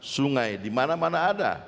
sungai dimana mana ada